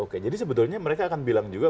oke jadi sebetulnya mereka akan bilang juga